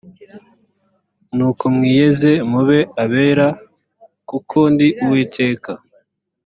nuko mwiyeze mube abera kuko ndi uwiteka